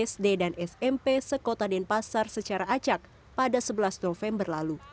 sd dan smp sekota denpasar secara acak pada sebelas november lalu